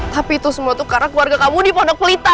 tapi itu semua tuh karena keluarga kamu dipondok pelita